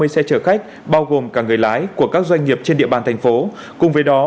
hai mươi xe chở khách bao gồm cả người lái của các doanh nghiệp trên địa bàn thành phố cùng với đó